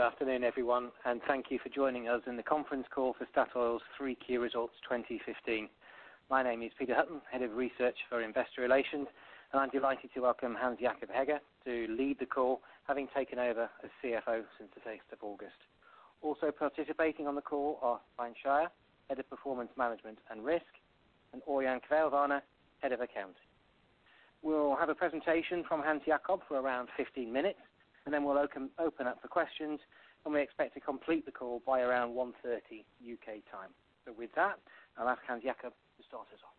Good afternoon, everyone, and thank you for joining us in the conference call for Statoil's 3Q results 2015. My name is Peter Hutton, head of research for investor relations, and I'm delighted to welcome Hans Jakob Hegge to lead the call, having taken over as CFO since the sixth of August. Also participating on the call are Svein Skeie, head of performance management and risk, and Ørjan Kvelvane, head of accounting. We'll have a presentation from Hans Jakob Hegge for around 15 minutes, and then we'll open up for questions, and we expect to complete the call by around 1:30 P.M. U.K. time. With that, I'll ask Hans Jakob Hegge to start us off.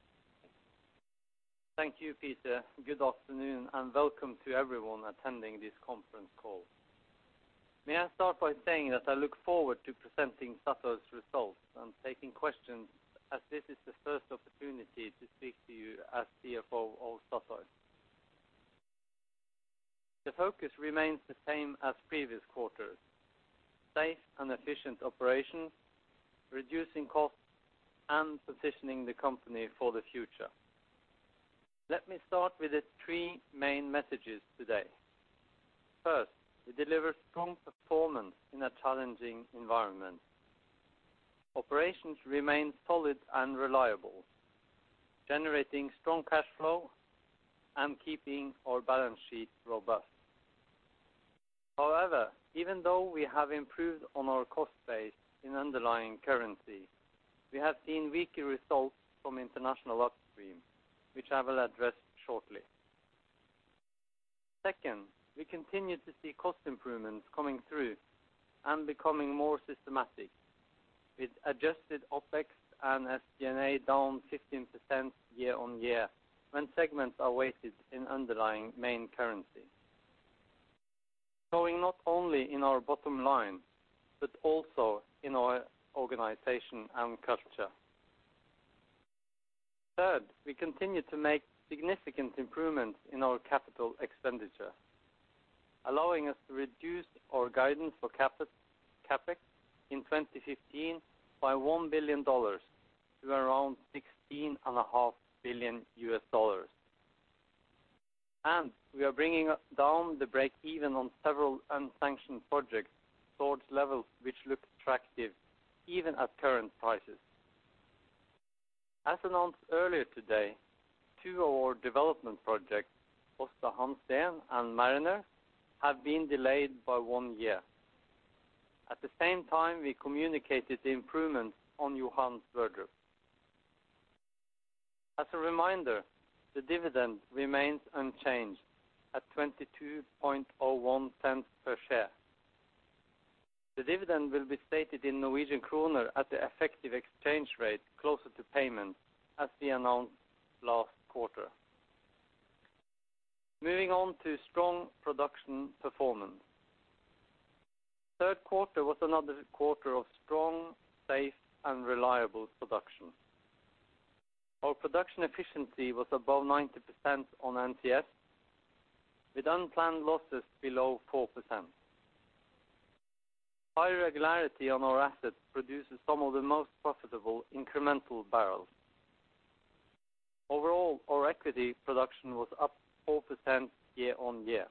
Thank you, Peter. Good afternoon, and welcome to everyone attending this conference call. May I start by saying that I look forward to presenting Statoil's results and taking questions, as this is the first opportunity to speak to you as CFO of Statoil. The focus remains the same as previous quarters. Safe and efficient operations, reducing costs, and positioning the company for the future. Let me start with the three main messages today. First, we delivered strong performance in a challenging environment. Operations remain solid and reliable, generating strong cash flow and keeping our balance sheet robust. However, even though we have improved on our cost base in underlying currency, we have seen weaker results from international upstream, which I will address shortly. Second, we continue to see cost improvements coming through and becoming more systematic, with adjusted OpEx and SG&A down 15% year-on-year when segments are weighted in underlying main currency. Showing not only in our bottom line, but also in our organization and culture. Third, we continue to make significant improvements in our capital expenditure, allowing us to reduce our guidance for CapEx in 2015 by $1 billion to around $16.5 billion. We are bringing down the breakeven on several unsanctioned projects towards levels which look attractive even at current prices. As announced earlier today, two of our development projects, Aasta Hansteen and Mariner, have been delayed by one year. At the same time, we communicated the improvements on Johan Sverdrup. As a reminder, the dividend remains unchanged at $0.2201 per share. The dividend will be stated in Norwegian kroner at the effective exchange rate closer to payment, as we announced last quarter. Moving on to strong production performance. Third quarter was another quarter of strong, safe, and reliable production. Our production efficiency was above 90% on NCS, with unplanned losses below 4%. High regularity on our assets produces some of the most profitable incremental barrels. Overall, our equity production was up 4% year-on-year.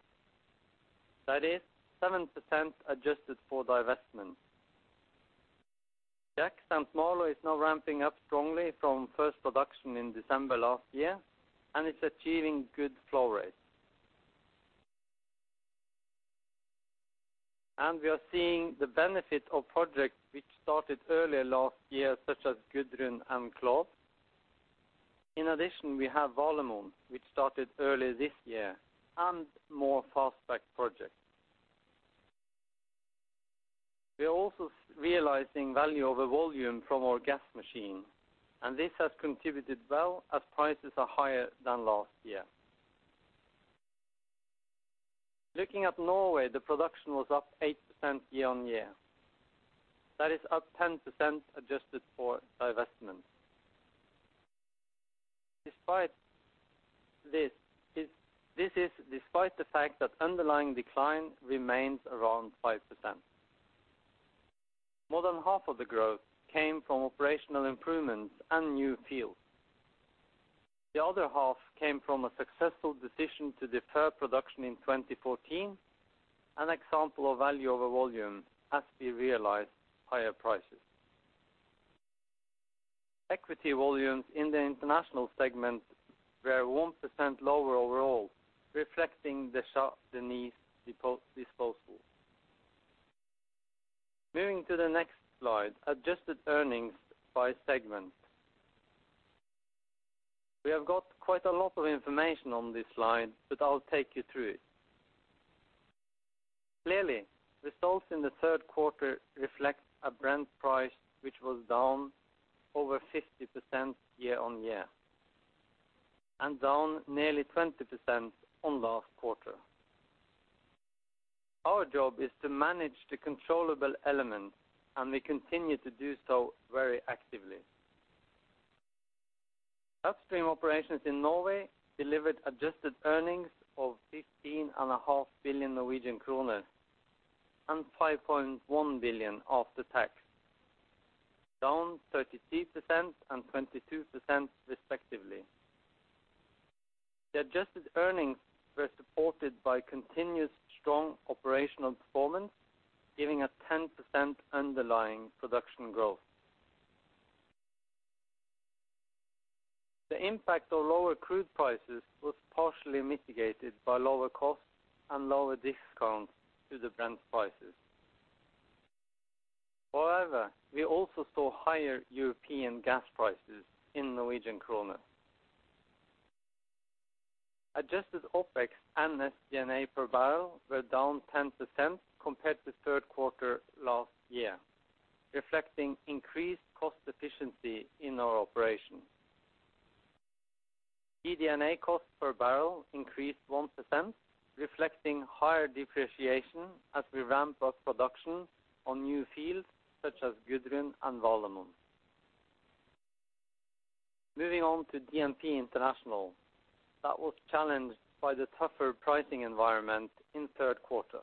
That is 7% adjusted for divestment. Jack/St. Malo is now ramping up strongly from first production in December last year and is achieving good flow rates. We are seeing the benefit of projects which started earlier last year, such as Gudrun and Claude. In addition, we have Valemon, which started early this year and more fast-track projects. We are also realizing value over volume from our gas machine, and this has contributed well as prices are higher than last year. Looking at Norway, the production was up 8% year-on-year. That is up 10% adjusted for divestment. This is despite the fact that underlying decline remains around 5%. More than half of the growth came from operational improvements and new fields. The other half came from a successful decision to defer production in 2014, an example of value over volume as we realize higher prices. Equity volumes in the international segment were 1% lower overall, reflecting the Shah Deniz disposal. Moving to the next slide, adjusted earnings by segment. We have got quite a lot of information on this slide, but I'll take you through it. Clearly, results in the third quarter reflect a Brent price which was down over 50% year-on-year and down nearly 20% on last quarter. Our job is to manage the controllable elements, and we continue to do so very actively. Upstream operations in Norway delivered adjusted earnings of 15 and a half billion and 5.1 billion after tax, down 33% and 22% respectively. The adjusted earnings were supported by continuous strong operational performance, giving a 10% underlying production growth. The impact of lower crude prices was partially mitigated by lower costs and lower discounts to the Brent prices. However, we also saw higher European gas prices in Norwegian kroner. Adjusted OpEx and DD&A per barrel were down 10% compared to third quarter last year, reflecting increased cost efficiency in our operations. DD&A costs per barrel increased 1%, reflecting higher depreciation as we ramp up production on new fields such as Gudrun and Valemon. Moving on to DPI, that was challenged by the tougher pricing environment in third quarter.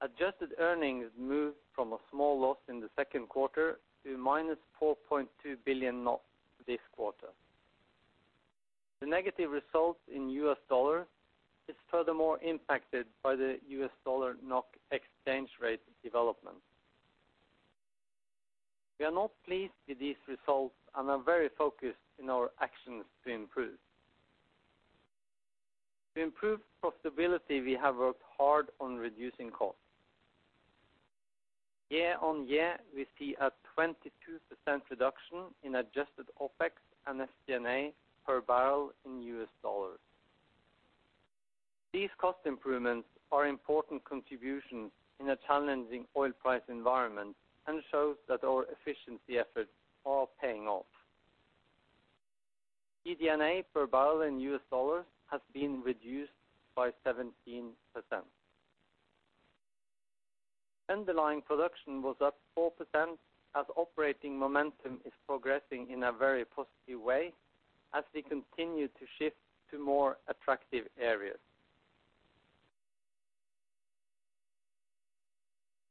Adjusted earnings moved from a small loss in the second quarter to -4.2 billion this quarter. The negative results in US dollar is furthermore impacted by the US dollar NOK exchange rate development. We are not pleased with these results and are very focused in our actions to improve. To improve profitability, we have worked hard on reducing costs. Year-on-year, we see a 22% reduction in adjusted OpEx and DD&A per barrel in US dollars. These cost improvements are important contributions in a challenging oil price environment and shows that our efficiency efforts are paying off. DD&A per barrel in US dollars has been reduced by 17%. Underlying production was up 4% as operating momentum is progressing in a very positive way as we continue to shift to more attractive areas.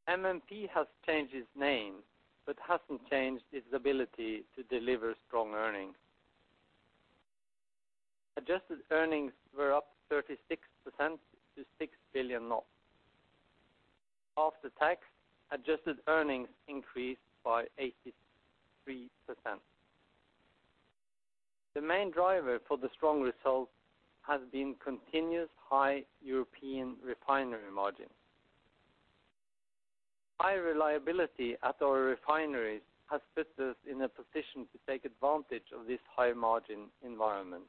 MMP has changed its name, but hasn't changed its ability to deliver strong earnings. Adjusted earnings were up 36% to 6 billion NOK. After tax, adjusted earnings increased by 83%. The main driver for the strong results has been continuous high European refinery margins. High reliability at our refineries has put us in a position to take advantage of this high margin environment.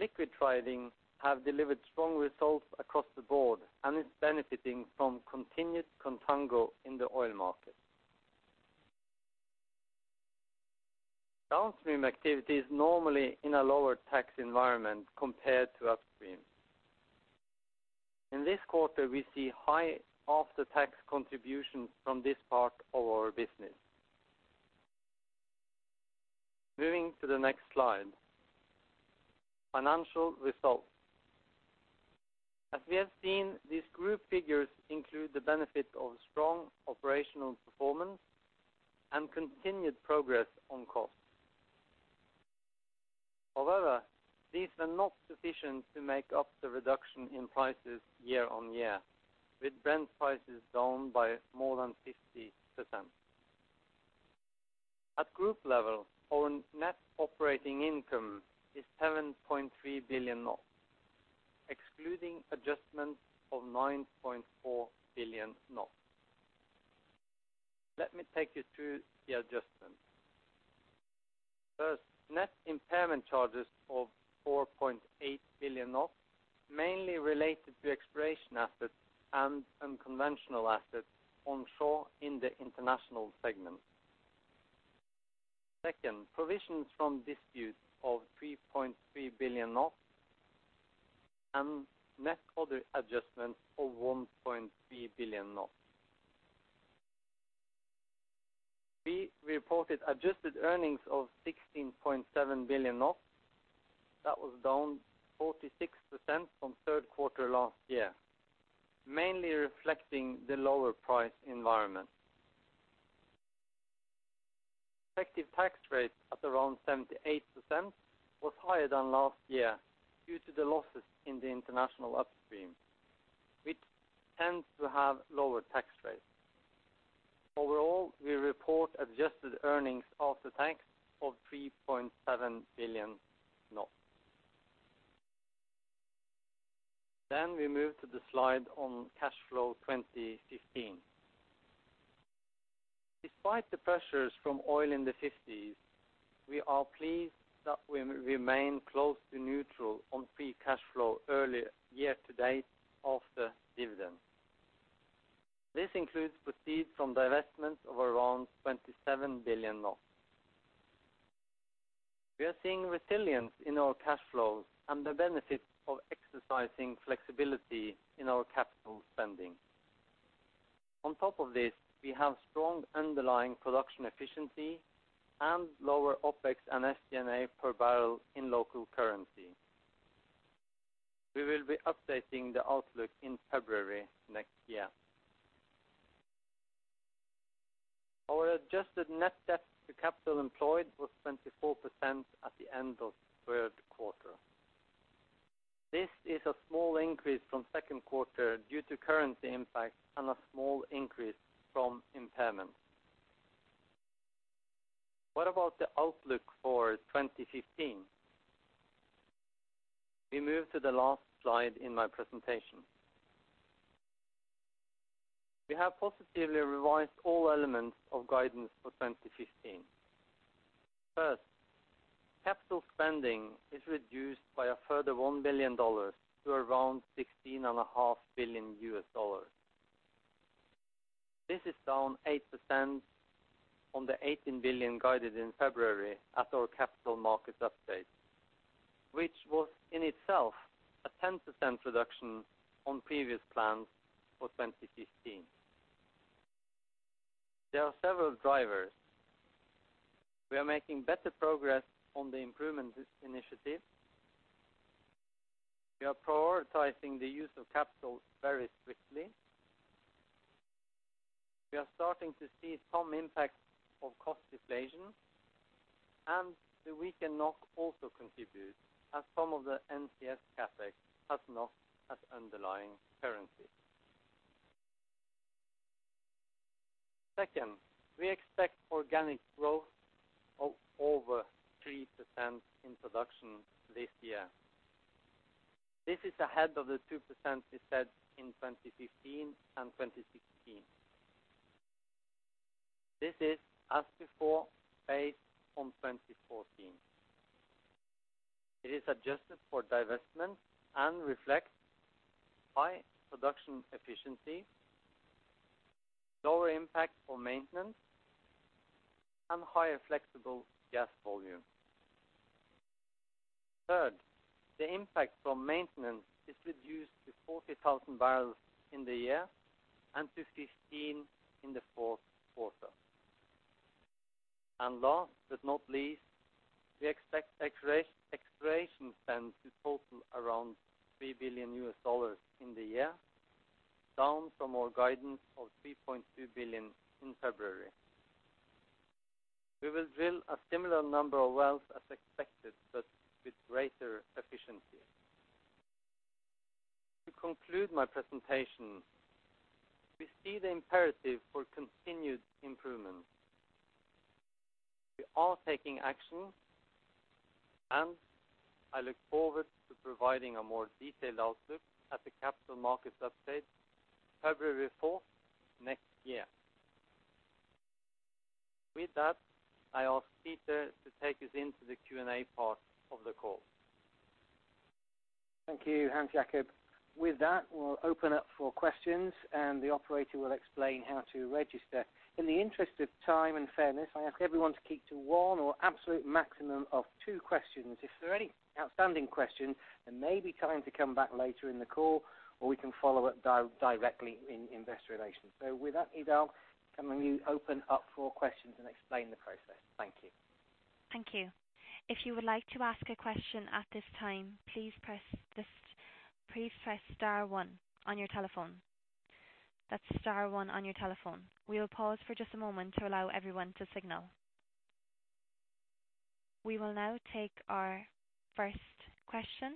Liquid trading have delivered strong results across the board and is benefiting from continued contango in the oil market. Downstream activity is normally in a lower tax environment compared to upstream. In this quarter, we see high after-tax contributions from this part of our business. Moving to the next slide, financial results. As we have seen, these group figures include the benefit of strong operational performance and continued progress on costs. However, these were not sufficient to make up the reduction in prices year-on-year, with Brent prices down by more than 50%. At group level, our net operating income is 7.3 billion, excluding adjustments of 9.4 billion. Let me take you through the adjustments. First, net impairment charges of 4.8 billion, mainly related to exploration assets and unconventional assets onshore in the international segment. Second, provisions from disputes of 3.3 billion and net other adjustments of 1.3 billion. We reported adjusted earnings of 16.7 billion. That was down 46% from third quarter last year, mainly reflecting the lower price environment. Effective tax rate at around 78% was higher than last year due to the losses in the international upstream, which tends to have lower tax rates. Overall, we report adjusted earnings after tax of NOK 3.7 billion. We move to the slide on cash flow 2015. Despite the pressures from oil in the 50s, we are pleased that we remain close to neutral on free cash flow early year-to-date after dividends. This includes proceeds from divestments of around 27 billion. We are seeing resilience in our cash flows and the benefits of exercising flexibility in our capital spending. On top of this, we have strong underlying production efficiency and lower OpEx and DD&A per barrel in local currency. We will be updating the outlook in February next year. Our adjusted net debt to capital employed was 24% at the end of third quarter. This is a small increase from second quarter due to currency impact and a small increase from impairment. What about the outlook for 2015? We move to the last slide in my presentation. We have positively revised all elements of guidance for 2015. First, capital spending is reduced by a further $1 billion to around $16.5 billion. This is down 8% on the $18 billion guided in February at our Capital Markets Update, which was in itself a 10% reduction on previous plans for 2015. There are several drivers. We are making better progress on the improvement initiative. We are prioritizing the use of capital very strictly. We are starting to see some impact of cost deflation, and the weaker NOK also contributes as some of the NCS CapEx has NOK as underlying currency. Second, we expect organic growth of over 3% in production this year. This is ahead of the 2% we said in 2015 and 2016. This is, as before, based on 2014. It is adjusted for divestment and reflects high production efficiency, lower impact on maintenance, and higher flexible gas volume. Third, the impact from maintenance is reduced to 40,000 barrels in the year and to 15 in the fourth quarter. Last but not least, we expect exploration spend to total around $3 billion in the year, down from our guidance of $3.2 billion in February. We will drill a similar number of wells as expected, but with greater efficiency. To conclude my presentation, we see the imperative for continued improvement. We are taking action, and I look forward to providing a more detailed outlook at the Capital Markets Update February fourth next year. With that, I ask Peter to take us into the Q&A part of the call. Thank you, Hans Jakob. With that, we'll open up for questions, and the operator will explain how to register. In the interest of time and fairness, I ask everyone to keep to one or absolute maximum of two questions. If there are any outstanding questions, there may be time to come back later in the call, or we can follow up directly in investor relations. With that, Operator, can you open up for questions and explain the process? Thank you. Thank you. If you would like to ask a question at this time, please press star one on your telephone. That's star one on your telephone. We will pause for just a moment to allow everyone to signal. We will now take our first question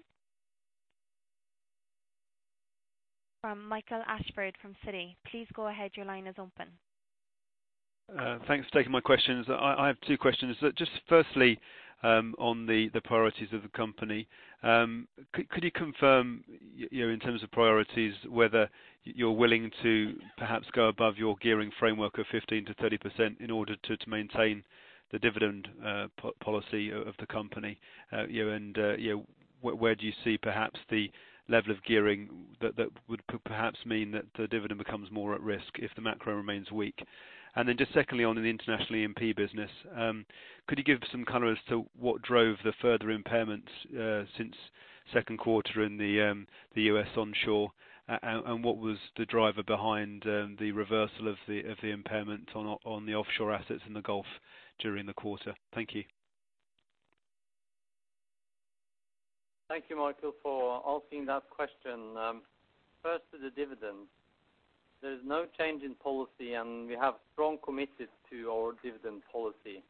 from Michael Alsford from Citi. Please go ahead. Your line is open. Thanks for taking my questions. I have two questions. Just firstly, on the priorities of the company, could you confirm, you know, in terms of priorities, whether you're willing to perhaps go above your gearing framework of 15%-30% in order to maintain the dividend policy of the company? You know, where do you see perhaps the level of gearing that would perhaps mean that the dividend becomes more at risk if the macro remains weak? Then just secondly on the international E&P business, could you give some color as to what drove the further impairments since second quarter in the U.S. onshore, and what was the driver behind the reversal of the impairment on the offshore assets in the Gulf during the quarter? Thank you. Thank you, Michael, for asking that question. First to the dividends. There's no change in policy, and we have strong commitment to our dividend policy.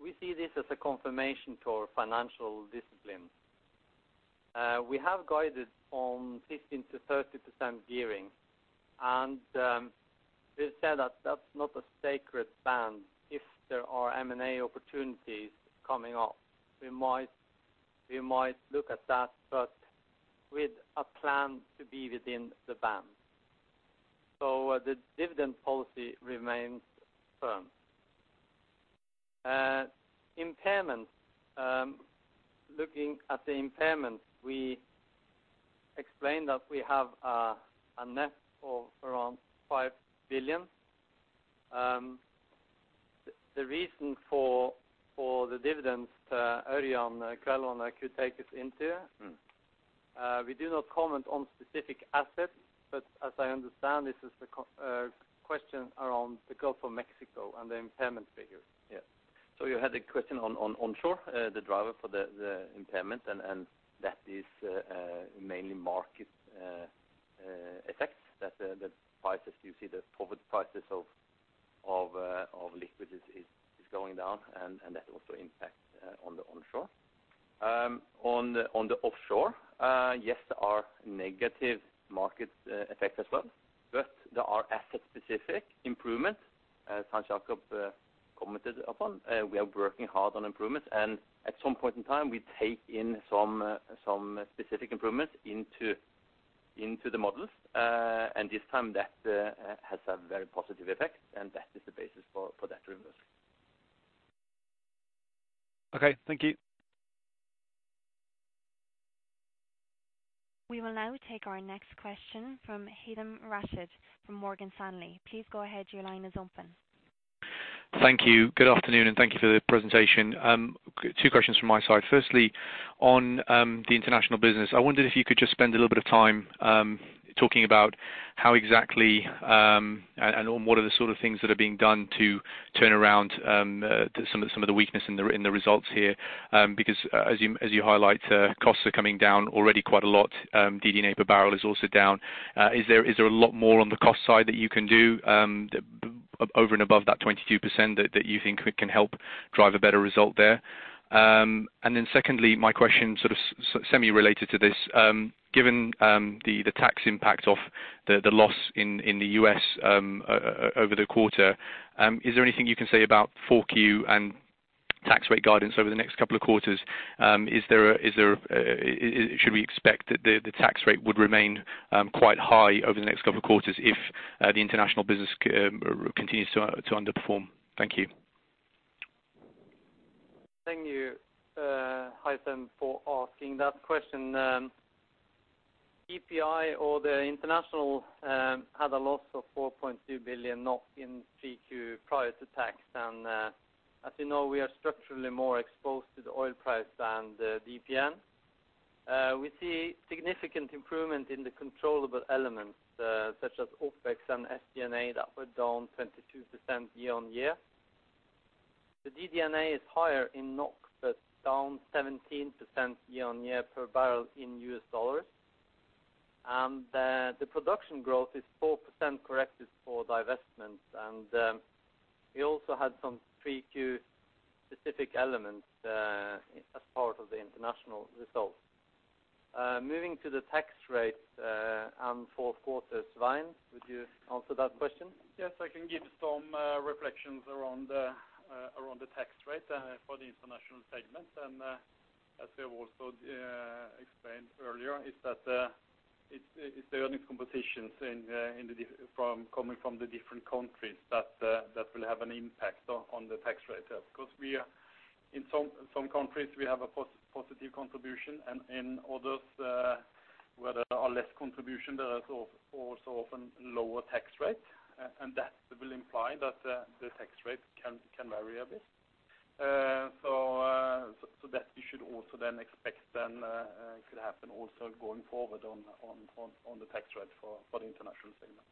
We see this as a confirmation to our financial discipline. We have guided on 15%-30% gearing, and we said that that's not a sacred band. If there are M&A opportunities coming up, we might look at that, but with a plan to be within the band. The dividend policy remains firm. Impairment, looking at the impairment, we explained that we have a net of around $5 billion. The reason for the dividends, Ørjan Kvelvane could take us into. We do not comment on specific assets, but as I understand, this is the question around the Gulf of Mexico and the impairment figures. Yes. You had a question on onshore, the driver for the impairment, and that is mainly market effects that, as you see, the forward prices of liquids are going down and that also impacts on the onshore. On the offshore, yes, there are negative market effects as well, but there are asset-specific improvements. As Hans Jakob Hegge commented upon, we are working hard on improvements, and at some point in time, we take some specific improvements into the models. This time that has a very positive effect, and that is the basis for that reversal. Okay, thank you. We will now take our next question from Haythem Rashed from Morgan Stanley. Please go ahead. Your line is open. Thank you. Good afternoon, and thank you for the presentation. Two questions from my side. Firstly, on the international business, I wondered if you could just spend a little bit of time talking about how exactly, and what are the sort of things that are being done to turn around some of the weakness in the results here. Because as you highlight, costs are coming down already quite a lot. DD&A per barrel is also down. Is there a lot more on the cost side that you can do over and above that 22% that you think can help drive a better result there? Secondly, my question sort of semi-related to this, given the tax impact of the loss in the U.S. over the quarter, is there anything you can say about Q4 and tax rate guidance over the next couple of quarters? Is there, should we expect the tax rate would remain quite high over the next couple of quarters if the international business continues to underperform? Thank you. Thank you, Haytham, for asking that question. DPI or the international had a loss of 4.2 billion in 3Q prior to tax. As you know, we are structurally more exposed to the oil price than DPN. We see significant improvement in the controllable elements, such as OpEx and SG&A that were down 22% year-on-year. The DD&A is higher in NOK, but down 17% year-on-year per barrel in US dollars. The production growth is 4% corrected for divestments. We also had some 3Q specific elements as part of the international results. Moving to the tax rate and four quarters, Svein, would you answer that question? Yes, I can give some reflections around the tax rate for the international segment. As we have also explained earlier, is that it's the earnings composition in the different countries that will have an impact on the tax rate. Because we are in some countries, we have a positive contribution, and in others where there are less contribution, there are also often lower tax rates, and that will imply that the tax rates can vary a bit. So that you should also expect that could happen also going forward on the tax rate for the international segment.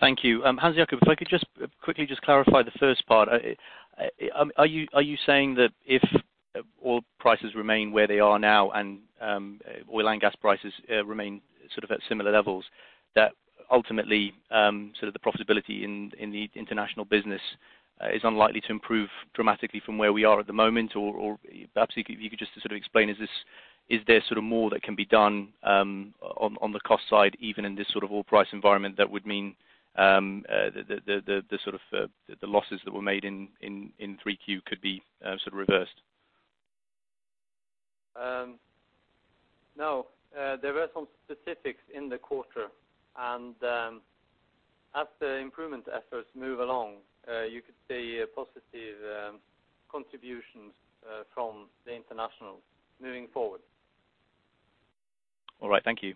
Thank you. Hans Jakob, if I could just quickly just clarify the first part. Are you saying that if oil prices remain where they are now and oil and gas prices remain sort of at similar levels, that ultimately sort of the profitability in the international business is unlikely to improve dramatically from where we are at the moment? Or perhaps you could just sort of explain, is there sort of more that can be done on the cost side, even in this sort of oil price environment that would mean the sort of losses that were made in 3Q could be sort of reversed? No. There were some specifics in the quarter, and as the improvement efforts move along, you could see a positive contributions from the internationals moving forward. All right. Thank you.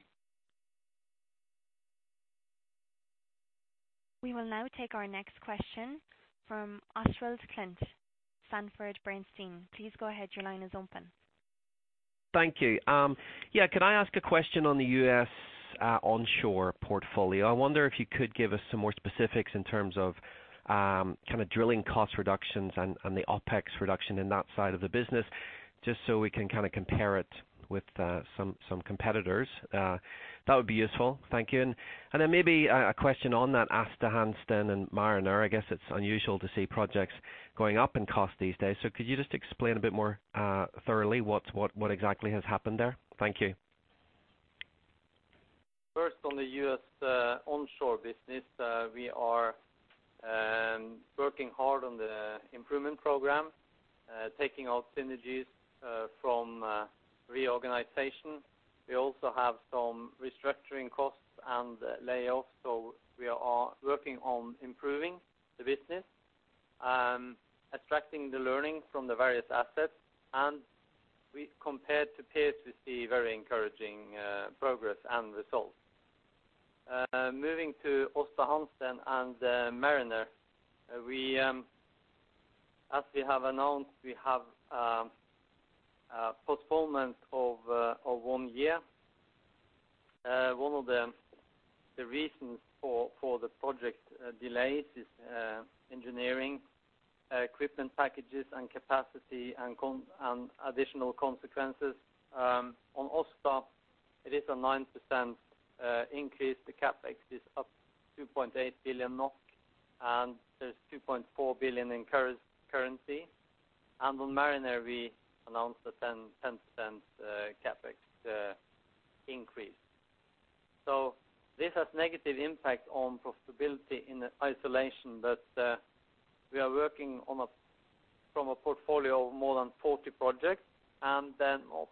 We will now take our next question from Oswald Clint, Sanford C. Bernstein. Please go ahead. Your line is open. Thank you. Yeah, can I ask a question on the U.S. onshore portfolio? I wonder if you could give us some more specifics in terms of kinda drilling cost reductions and the OpEx reduction in that side of the business, just so we can kinda compare it with some competitors. That would be useful. Thank you. Then maybe a question on that Aasta Hansteen and Mariner. I guess it is unusual to see projects going up in cost these days. Could you just explain a bit more thoroughly what exactly has happened there? Thank you. First, on the U.S. onshore business, we are working hard on the improvement program, taking out synergies from reorganization. We also have some restructuring costs and layoffs, so we are working on improving the business, extracting the learning from the various assets. We compared to peers, we see very encouraging progress and results., Moving to Aasta Hansteen and Mariner, as we have announced, we have postponement of one year. One of the reasons for the project delays is engineering equipment packages and capacity and additional consequences. On Aasta, it is a 9% increase. The CapEx is up 2.8 billion NOK, and there's 2.4 billion in currency. On Mariner, we announced a 10% CapEx increase. This has negative impact on profitability in isolation, but we are working from a portfolio of more than 40 projects. Not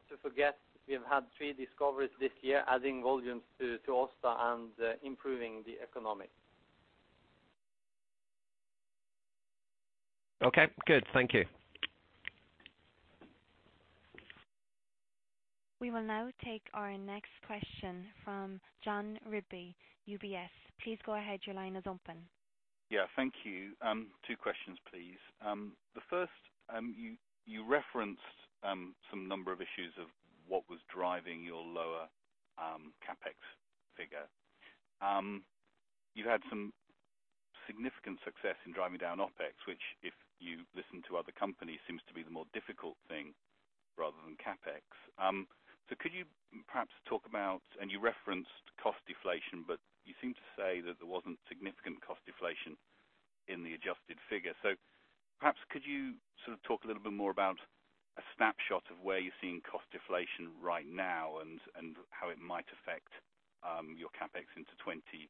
to forget, we have had three discoveries this year adding volumes to Aasta and improving the economics. Okay. Good. Thank you. We will now take our next question from Jon Rigby, UBS. Please go ahead. Your line is open. Yeah. Thank you. Two questions, please. The first, you referenced some number of issues of what was driving your lower CapEx figure. You had some significant success in driving down OpEx, which, if you listen to other companies, seems to be the more difficult thing rather than CapEx. You referenced cost deflation, but you seem to say that there wasn't significant cost deflation in the adjusted figure. Perhaps could you sort of talk a little bit more about a snapshot of where you're seeing cost deflation right now and how it might affect your CapEx into 2016,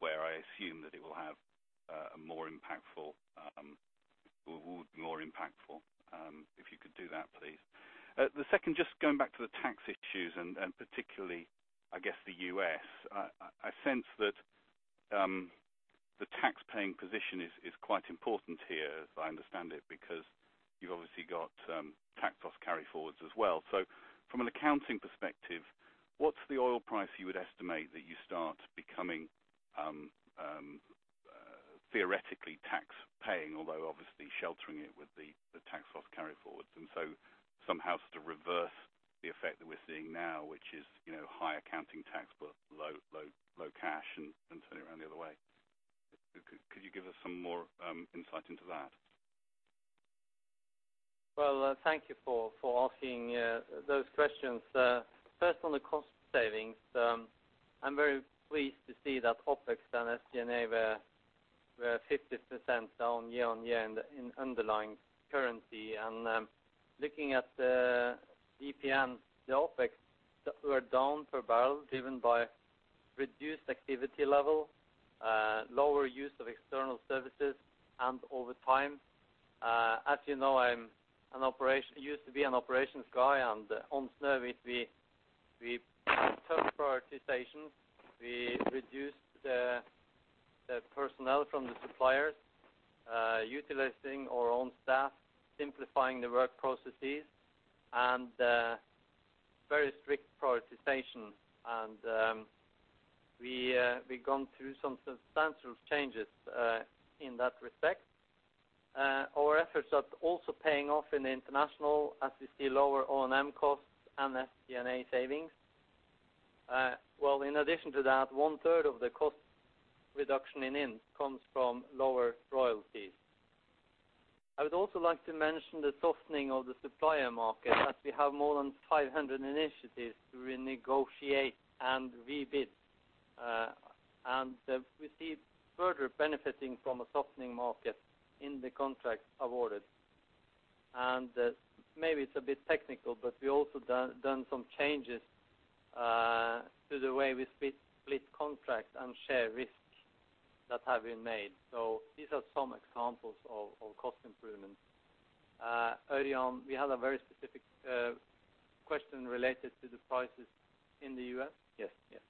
where I assume that it will be more impactful, if you could do that, please. The second, just going back to the tax issues and, particularly, I guess, the U.S., I sense that the tax paying position is quite important here, as I understand it, because you've obviously got tax loss carry-forwards as well. So from an accounting perspective, what's the oil price you would estimate that you start becoming theoretically tax paying, although obviously sheltering it with the tax loss carry-forwards? Somehow sort of reverse the effect that we're seeing now, which is, you know, high accounting tax but low cash and turn it around the other way. Could you give us some more insight into that? Well, thank you for asking those questions. First on the cost savings, I'm very pleased to see that OpEx and SG&A were 50% down year-on-year in underlying currency. Looking at EPM, the OpEx were down per barrel, driven by reduced activity level, lower use of external services and overtime. As you know, I used to be an operations guy, and on Snøhvit we took prioritization. We reduced the personnel from the suppliers, utilizing our own staff, simplifying the work processes and very strict prioritization. We've gone through some substantial changes in that respect. Our efforts are also paying off in the international as we see lower O&M costs and SG&A savings. Well, in addition to that, one third of the cost reduction in INB comes from lower royalties. I would also like to mention the softening of the supplier market as we have more than 500 initiatives to renegotiate and rebid. We see further benefiting from a softening market in the contracts awarded. Maybe it's a bit technical, but we also done some changes to the way we split contracts and share risks that have been made. These are some examples of cost improvements. Early on, we had a very specific question related to the prices in the U.S.? Yes. Yes.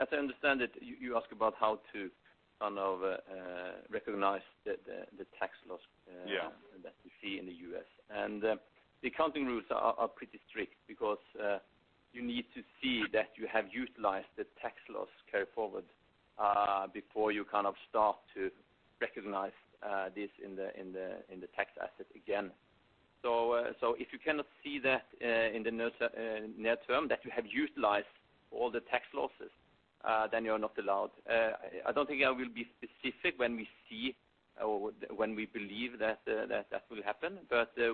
As I understand it, you ask about how to kind of recognize the tax loss. Yeah That we see in the U.S. The accounting rules are pretty strict because you need to see that you have utilized the tax loss carry-forwards before you kind of start to recognize this in the tax asset again. If you cannot see that in the near term that you have utilized all the tax losses, then you're not allowed. I don't think I will be specific when we see or when we believe that will happen.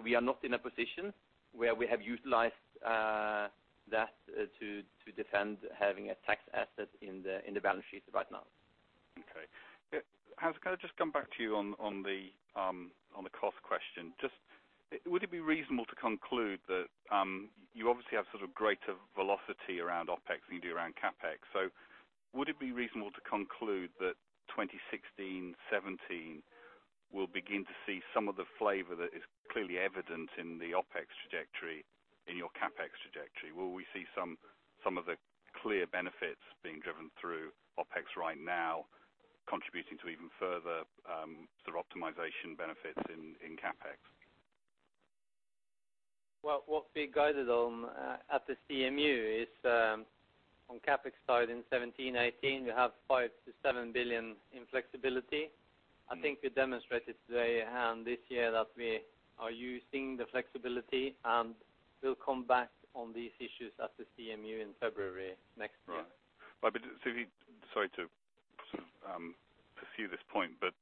We are not in a position where we have utilized that to defend having a tax asset in the balance sheet right now. Okay. Hans, can I just come back to you on the cost question? Just would it be reasonable to conclude that you obviously have sort of greater velocity around OpEx than you do around CapEx. Would it be reasonable to conclude that 2016, 2017 will begin to see some of the flavor that is clearly evident in the OpEx trajectory in your CapEx trajectory? Will we see some of the clear benefits being driven through OpEx right now contributing to even further sort of optimization benefits in CapEx? Well, what we guided on at the CMU is on CapEx side in 2017, 2018, you have $5 billion-$7 billion in flexibility. I think we demonstrated today and this year that we are using the flexibility and we'll come back on these issues at the CMU in February next year. Sorry to pursue this point, but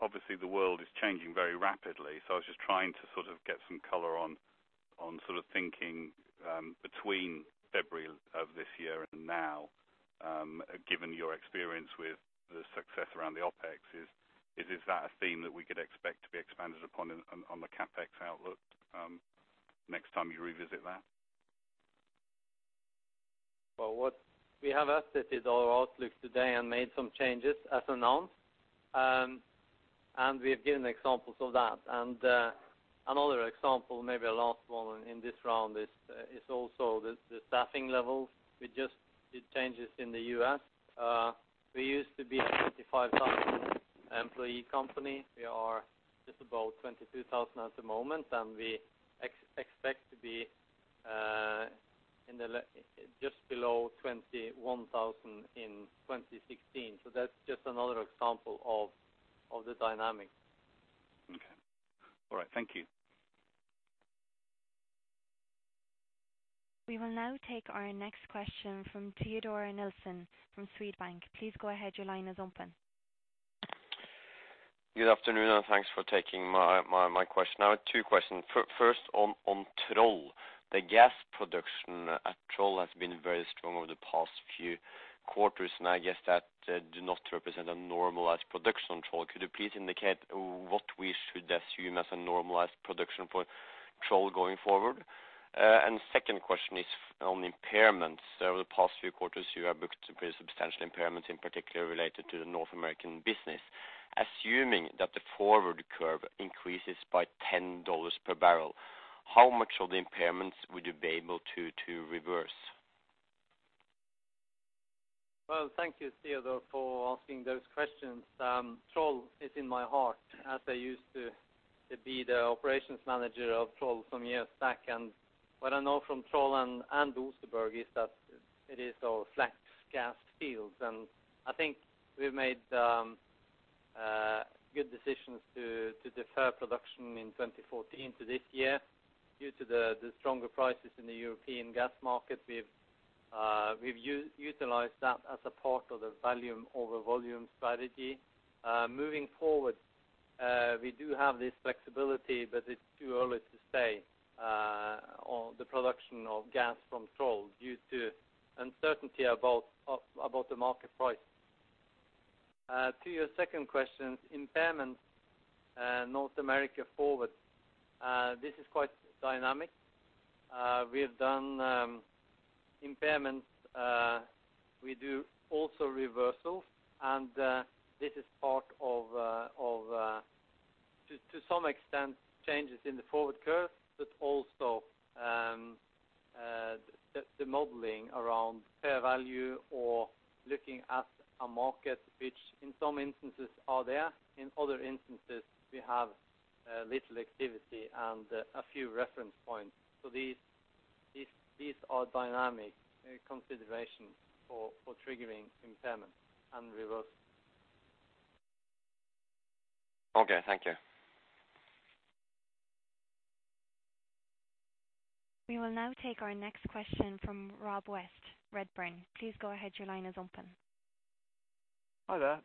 obviously the world is changing very rapidly. I was just trying to sort of get some color on sort of thinking between February of this year and now, given your experience with the success around the OpEx. Is this that a theme that we could expect to be expanded upon the CapEx outlook next time you revisit that? Well, what we have estimated our outlook today and made some changes as announced, and we have given examples of that. Another example, maybe a last one in this round is also the staffing levels. We just did changes in the U.S. We used to be a 25,000-employee company. We are just about 22,000 at the moment, and we expect to be just below 21,000 in 2016. That's just another example of the dynamics. Okay. All right. Thank you. We will now take our next question from Teodor Nilsen from Swedbank. Please go ahead. Your line is open. Good afternoon, and thanks for taking my question. I have two questions. First on Troll. The gas production at Troll has been very strong over the past few quarters, and I guess that does not represent a normalized production control. Could you please indicate what we should assume as a normalized production for Troll going forward? Second question is on impairments. Over the past few quarters, you have booked pretty substantial impairments, in particular related to the North American business. Assuming that the forward curve increases by $10 per barrel, how much of the impairments would you be able to reverse? Well, thank you, Teodor, for asking those questions. Troll is in my heart as I used to be the operations manager of Troll some years back. What I know from Troll and Oseberg is that it is our flex gas fields. I think we've made good decisions to defer production in 2014 to this year due to the stronger prices in the European gas market. We've utilized that as a part of the volume over volume strategy. Moving forward, we do have this flexibility, but it's too early to say on the production of gas from Troll due to uncertainty about the market price. To your second question, impairments, North America going forward. This is quite dynamic. We have done impairments. We do also reversals, and this is part of, to some extent, changes in the forward curve, but also the modeling around fair value or looking at a market which in some instances are there, in other instances we have little activity and a few reference points. These are dynamic considerations for triggering impairments and reversals. Okay, thank you. We will now take our next question from Rob West, Redburn. Please go ahead. Your line is open. Hi there.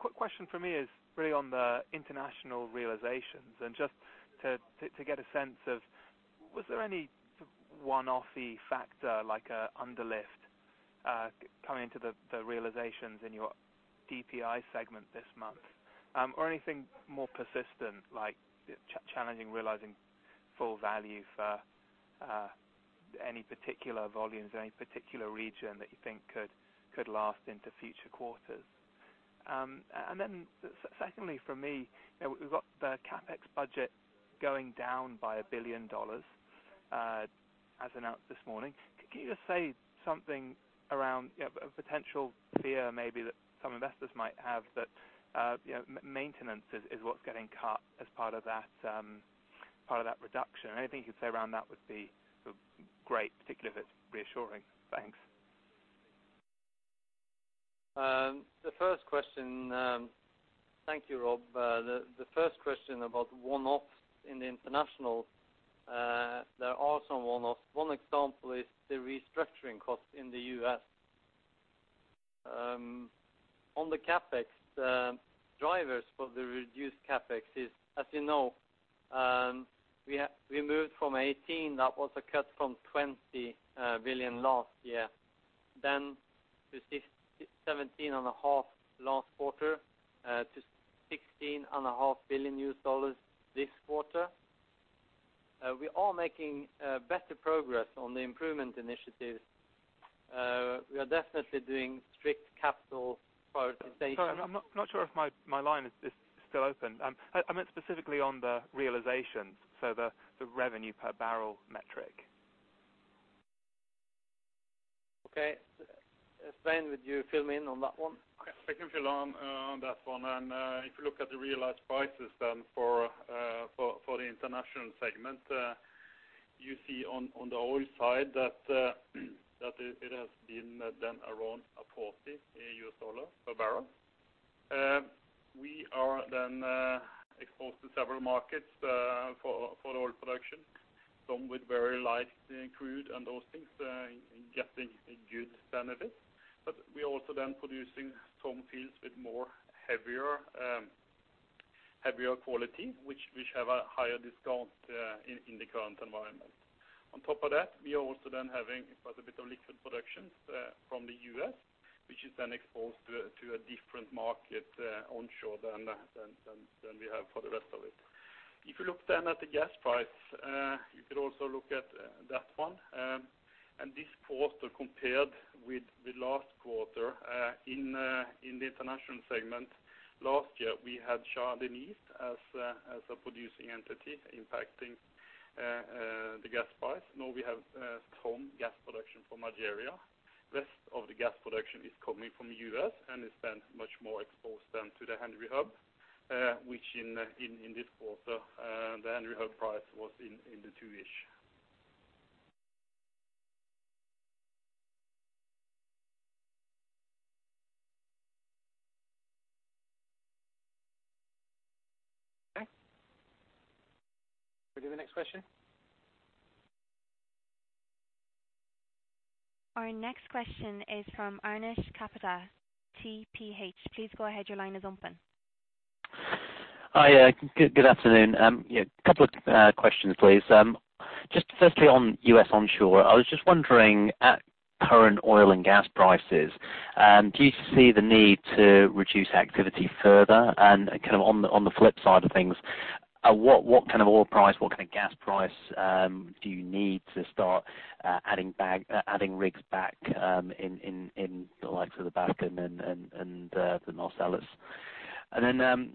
Quick question from me is really on the international realizations. Just to get a sense of, was there any one-offy factor like a underlift coming into the realizations in your DPI segment this month? Or anything more persistent like challenging realizing full value for any particular volumes, any particular region that you think could last into future quarters? Then secondly for me, you know, we've got the CapEx budget going down by $1 billion as announced this morning. Could you just say something around a potential fear maybe that some investors might have that, you know, maintenance is what's getting cut as part of that reduction? Anything you could say around that would be great, particularly if it's reassuring. Thanks. The first question, thank you, Rob. The first question about one-offs in the international, there are some one-offs. One example is the restructuring costs in the U.S. On the CapEx, drivers for the reduced CapEx is, as you know, we moved from $18 billion, that was a cut from $20 billion last year. To $17 and a half billion last quarter, to $16 and a half billion this quarter. We are making better progress on the improvement initiatives. We are definitely doing strict capital prioritization. Sorry, I'm not sure if my line is still open. I meant specifically on the realizations, so the revenue per barrel metric. Svein, would you fill me in on that one? I can fill in on that one. If you look at the realized prices then for the international segment, you see on the oil side that it has been down around $40 per barrel. We are then exposed to several markets for oil production, some with very light, including those things, getting a good benefit. We're also then producing some fields with heavier quality which have a higher discount in the current environment. On top of that, we are also then having quite a bit of liquid production from the U.S., which is then exposed to a different market onshore than we have for the rest of it. If you look then at the gas price, you could also look at that one. This quarter compared with the last quarter, in the international segment last year, we had Shah Deniz as a producing entity impacting the gas price. Now we have some gas production from Algeria. Rest of the gas production is coming from U.S. and is then much more exposed to the Henry Hub, which in this quarter, the Henry Hub price was in the two-ish. Okay. Can we do the next question? Our next question is from Anish Kapadia, TPH. Please go ahead. Your line is open. Hi. Good afternoon. Yeah, a couple of questions, please. Just firstly on U.S. onshore, I was just wondering at current oil and gas prices, do you see the need to reduce activity further? Kind of on the flip side of things, what kind of oil price, what kind of gas price, do you need to start adding rigs back in the likes of the Bakken and the Eagle Ford?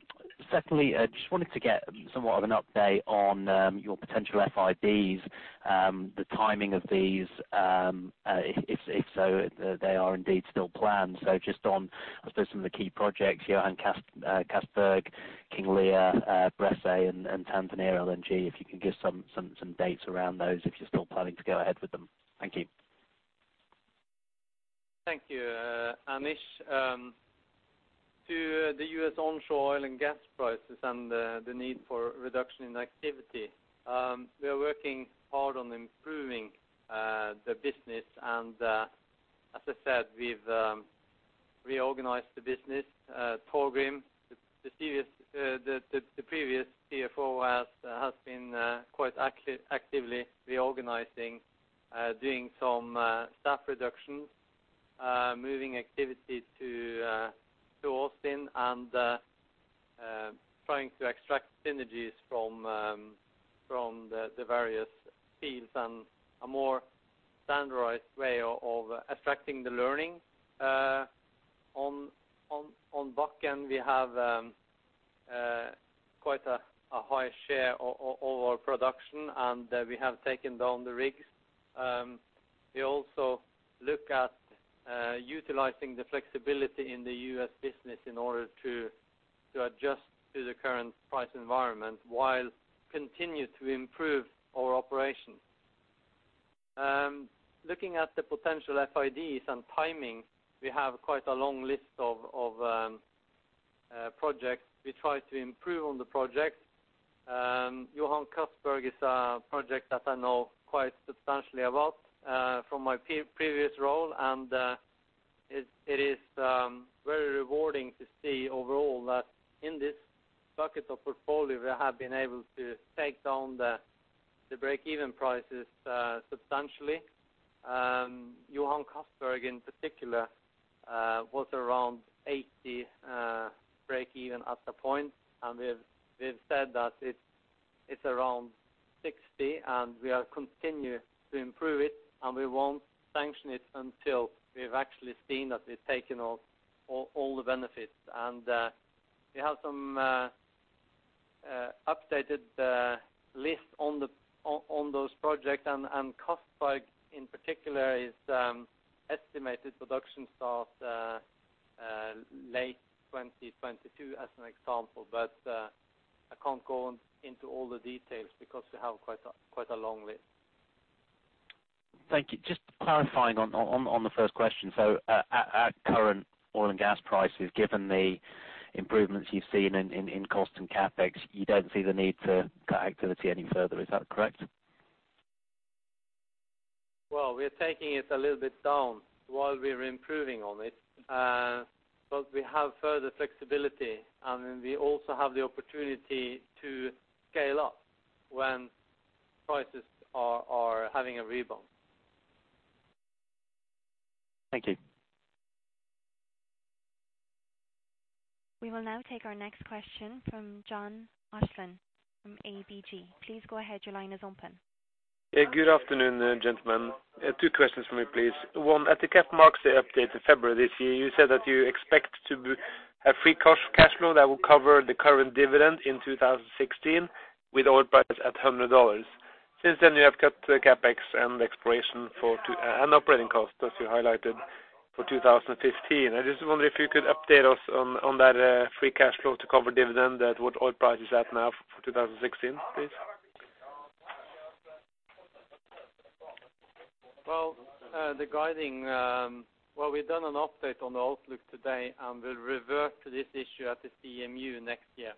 Secondly, I just wanted to get somewhat of an update on your potential FIDs, the timing of these, if so they are indeed still planned. Just on, I suppose, some of the key projects, Johan Castberg, King Lear, Bressay and Tanzania LNG. If you can give some dates around those, if you're still planning to go ahead with them. Thank you. Thank you, Anish. To the U.S. onshore oil and gas prices and the need for reduction in activity, we are working hard on improving the business. As I said, we've reorganized the business. Torgrim, the previous CFO has been quite actively reorganizing, doing some staff reductions, moving activity to Austin and trying to extract synergies from the various fields and a more standardized way of affecting the learning. On Bakken, we have quite a high share over production, and we have taken down the rigs. We also look at utilizing the flexibility in the U.S. business in order to adjust to the current price environment while continue to improve our operations. Looking at the potential FIDs and timing, we have quite a long list of projects. We try to improve on the projects. Johan Castberg is a project that I know quite substantially about from my previous role. It is very rewarding to see overall that in this bucket of portfolio we have been able to take down the break-even prices substantially.y Johan Castberg in particular was around $80 break-even at a point. We've said that it's around $60, and we continue to improve it, and we won't sanction it until we've actually seen that we've taken all the benefits. We have some updated lists on those projects. Castberg in particular is estimated production start late 2022 as an example. I can't go into all the details because we have quite a long list. Thank you. Just clarifying on the first question. At current oil and gas prices, given the improvements you've seen in cost and CapEx, you don't see the need to cut activity any further. Is that correct? Well, we're taking it a little bit down while we're improving on it, but we have further flexibility. We also have the opportunity to scale up when prices are having a rebound. Thank you. We will now take our next question from John Olaisen from ABG. Please go ahead. Your line is open. Good afternoon, gentlemen. Two questions for me, please. One, at the CapEx update in February this year, you said that you expect to have free cash flow that will cover the current dividend in 2016 with oil prices at $100. Since then you have cut the CapEx and exploration for 2016, and operating costs as you highlighted for 2015. I just wonder if you could update us on that free cash flow to cover dividend at what oil price is at now for 2016, please. Well, well, we've done an update on the outlook today, and we'll revert to this issue at the CMU next year.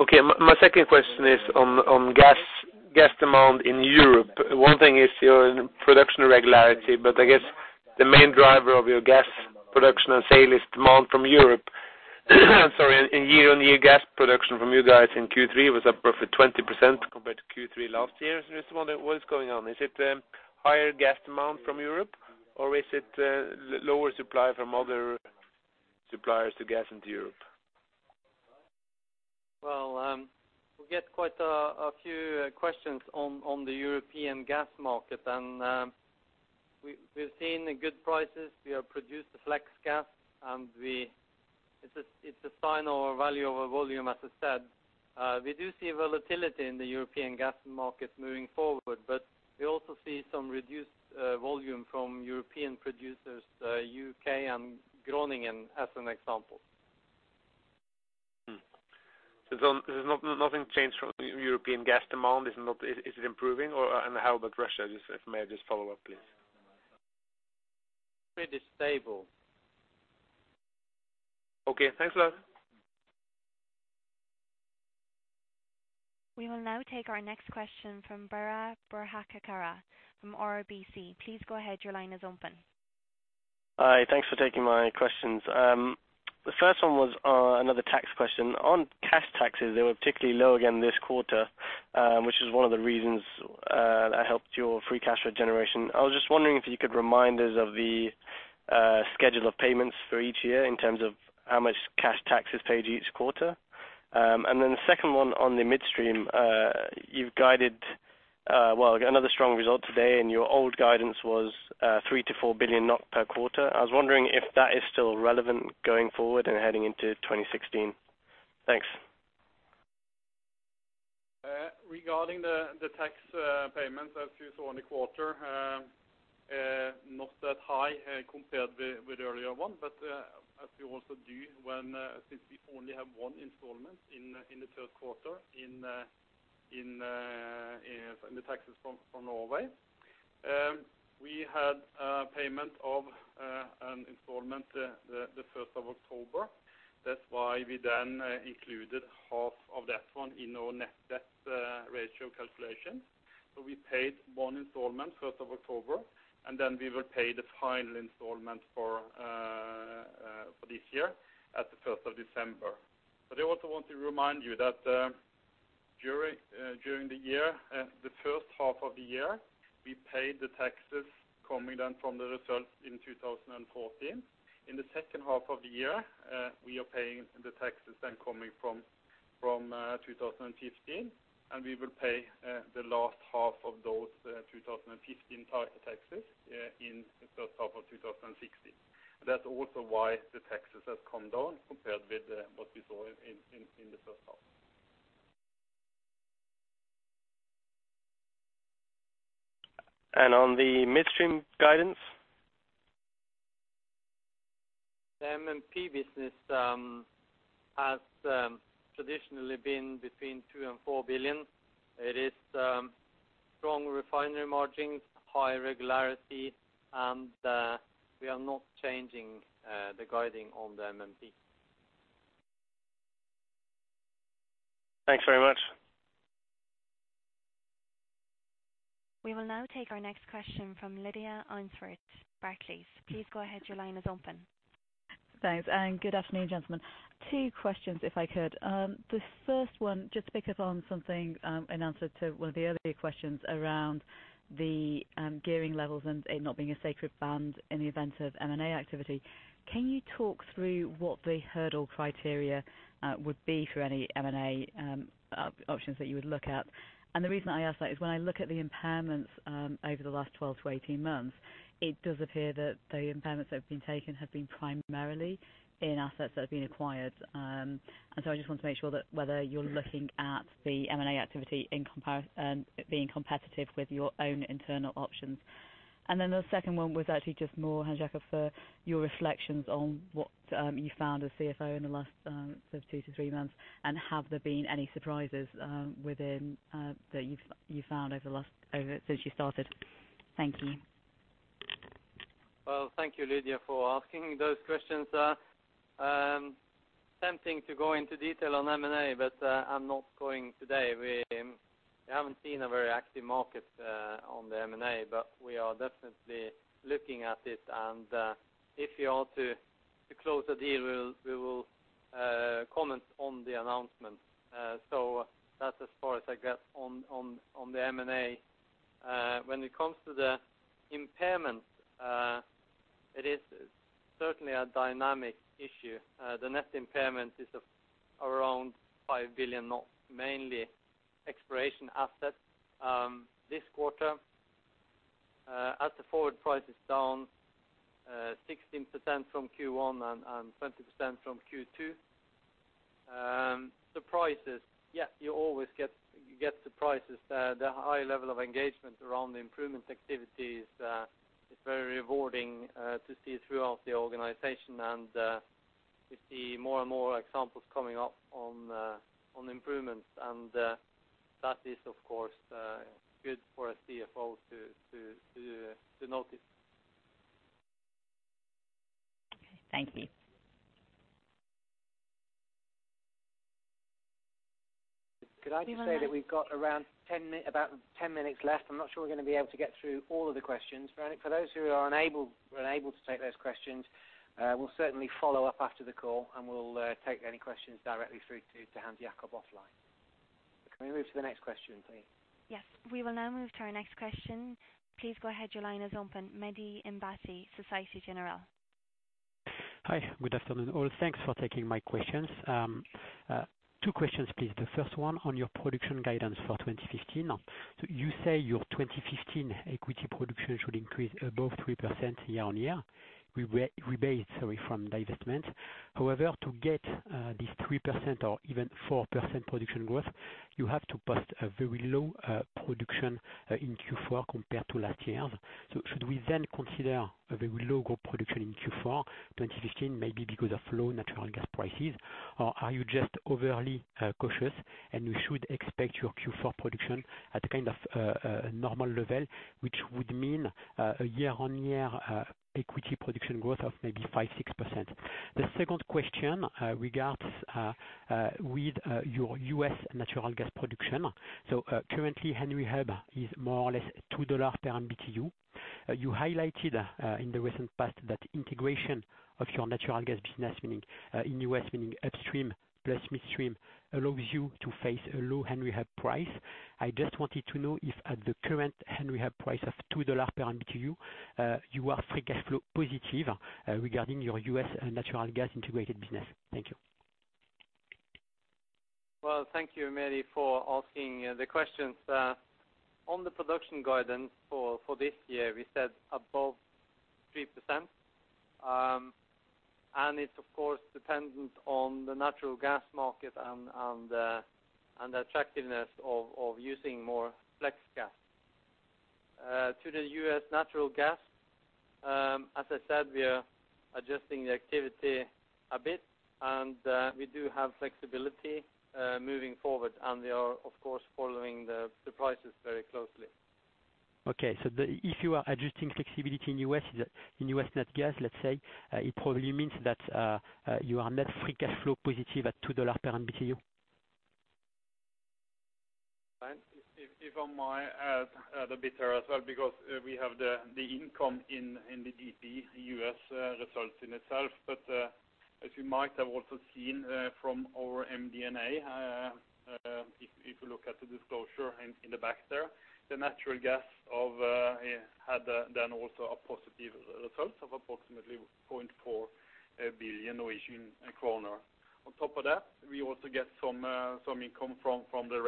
Okay. My second question is on gas demand in Europe. One thing is your production irregularity, but I guess the main driver of your gas production and sale is demand from Europe. Sorry, in year-on-year gas production from you guys in Q3 was up roughly 20% compared to Q3 last year. I'm just wondering what is going on. Is it higher gas demand from Europe? Or is it lower supply from other suppliers of gas into Europe? Well, we get quite a few questions on the European gas market, and we've seen good prices. We have produced flex gas, and it's a sign of our value over volume, as I said. We do see volatility in the European gas market moving forward, but we also see some reduced volume from European producers, UK and Groningen as an example. There's nothing changed from the European gas demand? Is it improving or how about Russia? Just, if I may, just follow up, please. Pretty stable. Okay, thanks a lot. We will now take our next question from Biraj Borkhataria from RBC. Please go ahead. Your line is open. Hi. Thanks for taking my questions. The first one was another tax question. On cash taxes, they were particularly low again this quarter, which is one of the reasons that helped your free cash flow generation. I was just wondering if you could remind us of the schedule of payments for each year in terms of how much cash tax is paid each quarter. The second one on the midstream, you've guided well another strong result today, and your old guidance was 3-4 billion per quarter. I was wondering if that is still relevant going forward and heading into 2016. Thanks. Regarding the tax payments, as you saw in the quarter, not that high, compared with earlier one. As we also do, since we only have one installment in the third quarter in the taxes from Norway. We had a payment of an installment the first of October. That's why we then included half of that one in our net debt ratio calculation. We paid one installment, first of October, and then we will pay the final installment for this year at the first of December. I also want to remind you that during the year, the first half of the year, we paid the taxes coming then from the results in 2014. In the second half of the year, we are paying the taxes then coming from 2015, and we will pay the last half of those 2015 taxes in the first half of 2016. That's also why the taxes have come down compared with what we saw in the first half. On the Midstream guidance? The M&P business has traditionally been between $2 billion and $4 billion. It is strong refinery margins, high regularity, and we are not changing the guidance on the M&P. Thanks very much. We will now take our next question from Lydia Rainforth, Barclays. Please go ahead. Your line is open. Thanks, and good afternoon, gentlemen. Two questions, if I could. The first one, just to pick up on something in answer to one of the earlier questions around the gearing levels and it not being a sacred band in the event of M&A activity. Can you talk through what the hurdle criteria would be for any M&A options that you would look at? The reason I ask that is when I look at the impairments over the last 12-18 months, it does appear that the impairments that have been taken have been primarily in assets that have been acquired. I just want to make sure that whether you're looking at the M&A activity in comparison, being competitive with your own internal options. The second one was actually just more, Hans Jakob, for your reflections on what you found as CFO in the last sort of 2-3 months, and have there been any surprises within that you found since you started? Thank you. Well, thank you, Lydia, for asking those questions. Tempting to go into detail on M&A, but I'm not going today. We haven't seen a very active market on the M&A, but we are definitely looking at it. If we are to close the deal, we will comment on the announcement. That's as far as I get on the M&A. When it comes to the impairment, it is certainly a dynamic issue. The net impairment is of around 5 billion, mainly exploration assets, this quarter. As the forward price is down 16% from Q1 and 20% from Q2. The prices, yeah, you always get the prices. The high level of engagement around the improvement activities is very rewarding to see throughout the organization. We see more and more examples coming up on improvements. That is, of course, good for a CFO to notice. Thank you. Could I just say that we've got around 10 minutes left. I'm not sure we're gonna be able to get through all of the questions. For those who are unable to take those questions, we'll certainly follow up after the call, and we'll take any questions directly through to Hans Jacob offline. Can we move to the next question, please? Yes. We will now move to our next question. Please go ahead. Your line is open. Mehdi Ennebati, Société Générale. Hi. Good afternoon, all. Thanks for taking my questions. Two questions, please. The first one on your production guidance for 2015. You say your 2015 equity production should increase above 3% year-on-year rebased, sorry, from divestment. To get this 3% or even 4% production growth, you have to post a very low production in Q4 compared to last year's. Should we then consider a very low growth production in Q4 2015 maybe because of low natural gas prices? Or are you just overly cautious and we should expect your Q4 production at a kind of normal level, which would mean a year-on-year equity production growth of maybe 5-6%? The second question regarding your U.S. natural gas production. Currently, Henry Hub is more or less $2 per MMBtu. You highlighted in the recent past that integration of your natural gas business, meaning in U.S., meaning upstream plus midstream, allows you to face a low Henry Hub price. I just wanted to know if at the current Henry Hub price of $2 per MMBtu, you are free cash flow positive regarding your U.S. natural gas integrated business. Thank you. Well, thank you, Mehdi, for asking the questions. On the production guidance for this year, we said above 3%. It's of course dependent on the natural gas market and the attractiveness of using more flex gas. To the U.S. natural gas, as I said, we are adjusting the activity a bit, and we do have flexibility moving forward, and we are of course following the prices very closely. The issue of adjusting flexibility in U.S. nat gas, let's say, it probably means that you are net free cash flow positive at $2 per MMBtu? If I may add a bit there as well because we have the income in the G&P, the US results in itself. As you might have also seen from our MD&A, if you look at the disclosure in the back there, the natural gas had then also a positive result of approximately 0.4 billion Norwegian kroner. On top of that, we also get some income from the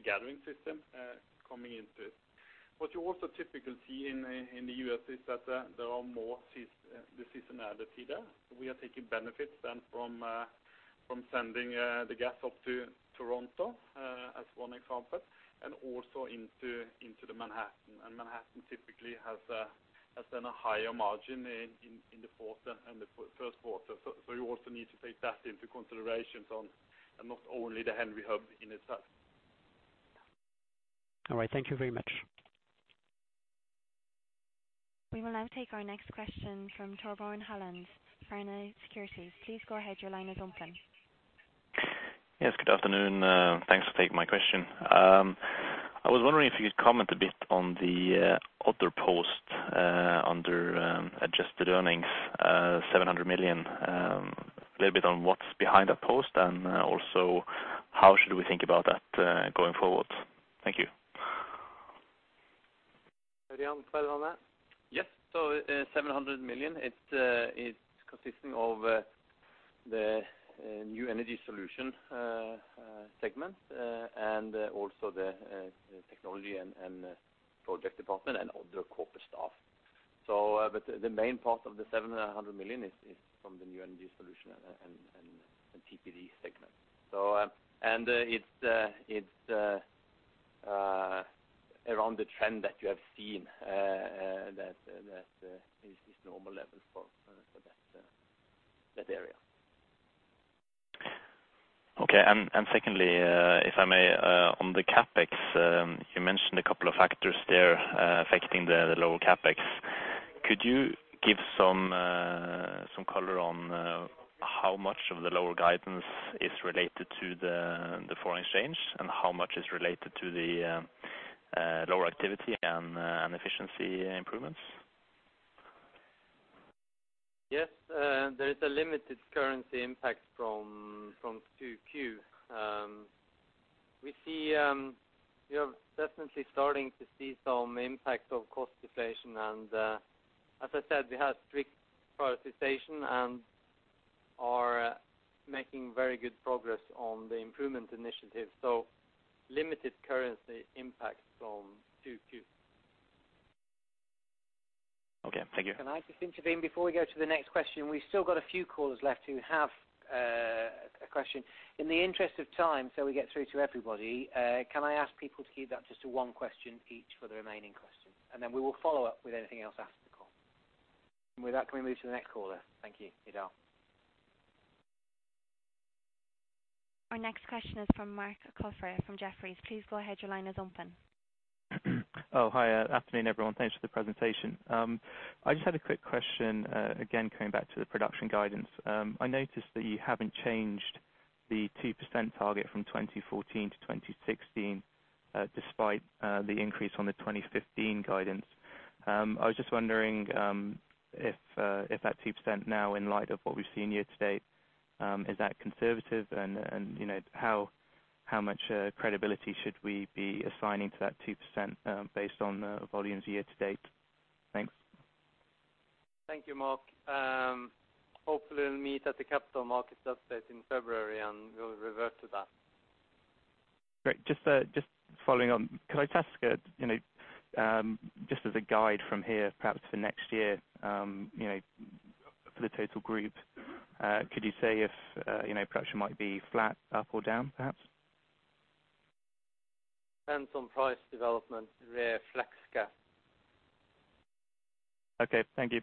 gathering system coming into it. What you also typically see in the US is that there is more seasonality there. We are taking benefits then from sending the gas up to Toronto as one example, and also into Manhattan. Manhattan typically has then a higher margin in the fourth and the first quarter. You also need to take that into consideration and not only the Henry Hub in itself. All right. Thank you very much. We will now take our next question from Torbjørn Kjus, DNB Markets. Please go ahead. Your line is open. Yes. Good afternoon. Thanks for taking my question. I was wondering if you could comment a bit on the other post under Adjusted Earnings, 700 million. A little bit on what's behind that post, and also how should we think about that going forward? Thank you. Ørjan, comment on that? Yes. 700 million is consisting of the New Energy Solutions segment and also the technology and project department and other corporate staff. The main part of the 700 million is from the New Energy Solutions and TPD segment. It's around the trend that you have seen, that is the normal level for that area. Okay. Secondly, if I may, on the CapEx, you mentioned a couple of factors there, affecting the lower CapEx. Could you give some color on how much of the lower guidance is related to the foreign exchange, and how much is related to the lower activity and efficiency improvements? Yes. There is a limited currency impact from 2Q. We are definitely starting to see some impact of cost deflation. As I said, we have strict prioritization, and are making very good progress on the improvement initiative, so limited currency impact from 2Q. Okay, thank you. Can I just intervene before we go to the next question? We've still got a few callers left who have a question. In the interest of time, so we get through to everybody, can I ask people to keep that just to one question each for the remaining questions, and then we will follow up with anything else after the call. With that, can we move to the next caller? Thank you, Idal. Our next question is from Marc Kofler from Jefferies. Please go ahead. Your line is open. Afternoon, everyone. Thanks for the presentation. I just had a quick question, again, coming back to the production guidance. I noticed that you haven't changed the 2% target from 2014 to 2016, despite the increase on the 2015 guidance. I was just wondering, if that 2% now in light of what we've seen year-to-date, is that conservative? You know, how much credibility should we be assigning to that 2%, based on the volumes year-to-date? Thanks. Thank you, Marc. Hopefully we'll meet at the Capital Markets Update in February, and we'll revert to that. Great. Just following on, can I ask, you know, just as a guide from here, perhaps for next year, you know, for the total group, could you say if, you know, production might be flat, up or down perhaps? Depends on price development. They're flex scale. Okay. Thank you.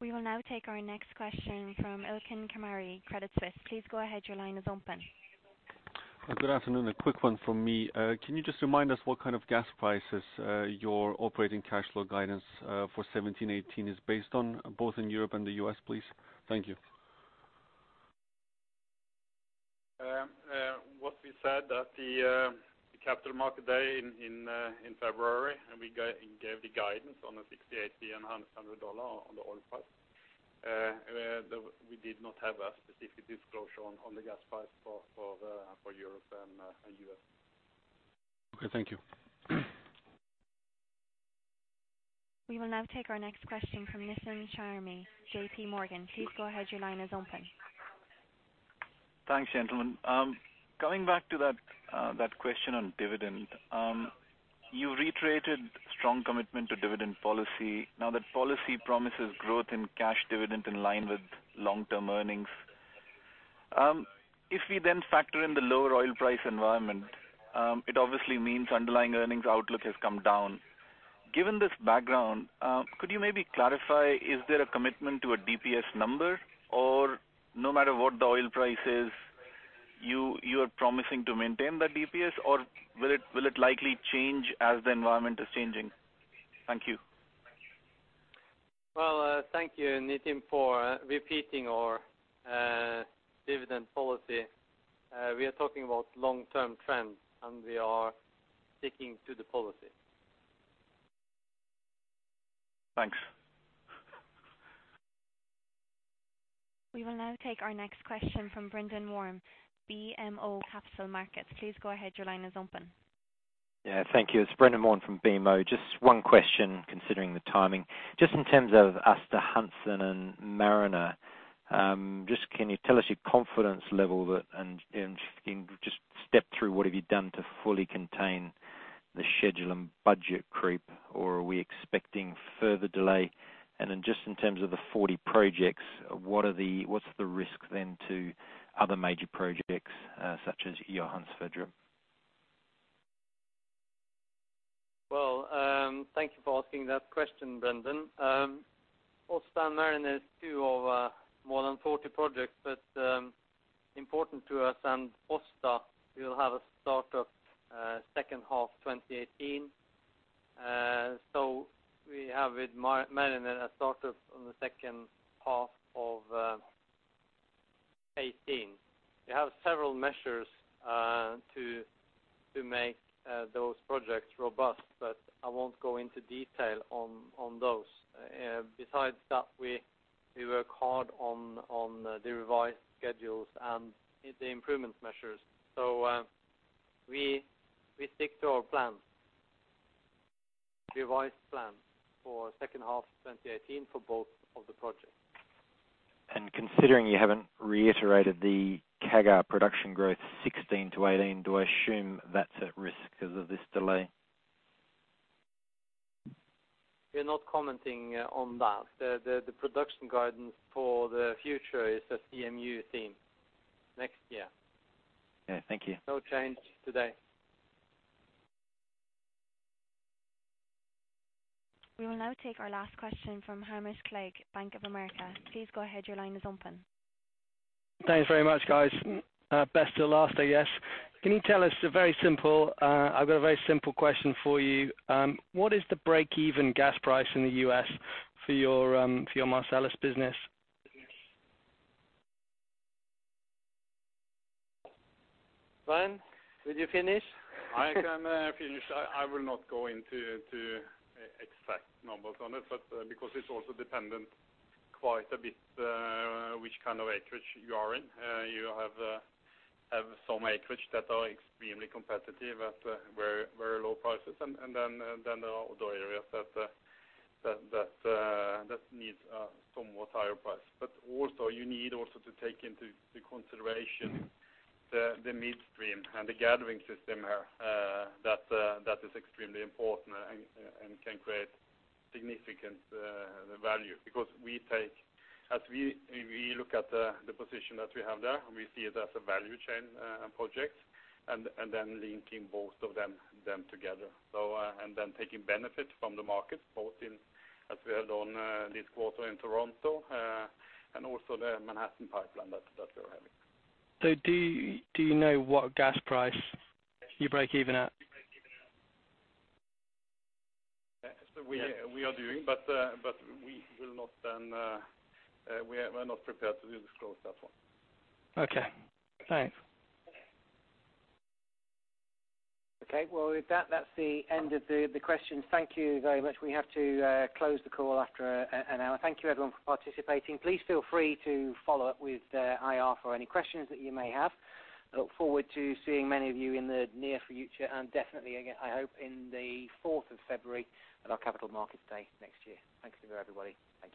We will now take our next question from Ilkin Karimli, Credit Suisse. Please go ahead. Your line is open. Good afternoon. A quick one from me. Can you just remind us what kind of gas prices, your operating cash flow guidance, for 2017-2018 is based on, both in Europe and the U.S., please? Thank you. What we said at the Capital Markets Day in February, and we gave the guidance on the $60-$80 and $100 on the oil price. We did not have a specific disclosure on the gas price for Europe and US. Okay, thank you. We will now take our next question from Nitin Sharma, J.P. Morgan. Please go ahead. Your line is open. Thanks, gentlemen. Coming back to that question on dividend. You reiterated strong commitment to dividend policy. Now, that policy promises growth in cash dividend in line with long-term earnings. If we then factor in the lower oil price environment, it obviously means underlying earnings outlook has come down. Given this background, could you maybe clarify, is there a commitment to a DPS number? Or no matter what the oil price is, you are promising to maintain the DPS, or will it likely change as the environment is changing? Thank you. Well, thank you, Nitin, for repeating our dividend policy. We are talking about long-term trends, and we are sticking to the policy. Thanks. We will now take our next question from Brendan Warn, BMO Capital Markets. Please go ahead. Your line is open. Yeah, thank you. It's Brendan Warn from BMO Capital Markets. Just one question, considering the timing. Just in terms of Aasta Hansteen and Mariner, just can you tell us your confidence level that, and can just step through what have you done to fully contain the schedule and budget creep, or are we expecting further delay? Just in terms of the 40 projects, what's the risk then to other major projects, such as Johan Sverdrup? Well, thank you for asking that question, Brendan. Aasta Hansteen is two of more than 40 projects, but important to us. Aasta, we'll have a start of second half 2018. We have with Mariner a start of on the second half of 2018. We have several measures to make those projects robust, but I won't go into detail on those. Besides that, we work hard on the revised schedules and the improvement measures. We stick to our plans, revised plans for second half 2018 for both of the projects. Considering you haven't reiterated the CAGR production growth 16-18, do I assume that's at risk because of this delay? We're not commenting on that. The production guidance for the future is a CMU theme next year. Yeah. Thank you. No change today. We will now take our last question from Hamish Clegg, Bank of America. Please go ahead. Your line is open. Thanks very much, guys. Best to last, I guess. I've got a very simple question for you. What is the break-even gas price in the U.S. for your Marcellus business? Svein, would you finish? I can finish. I will not go into exact numbers on it, but because it's also dependent quite a bit, which kind of acreage you are in. You have some acreage that are extremely competitive at very low prices and then there are other areas that needs somewhat higher price. You need also to take into consideration the midstream and the gathering system that is extremely important and can create significant value. Because as we look at the position that we have there, and we see it as a value chain project, and then linking both of them together, and then taking benefit from the market, both in, as we have done, this quarter in Toronto, and also the Manhattan pipeline that we're having. Do you know what gas price you break even at? We will not. We are not prepared to disclose that one. Okay. Thanks. Okay. Well, with that's the end of the questions. Thank you very much. We have to close the call after an hour. Thank you, everyone, for participating. Please feel free to follow up with IR for any questions that you may have. I look forward to seeing many of you in the near future and definitely again, I hope in the fourth of February at our Capital Markets Day next year. Thanks again, everybody. Thank you.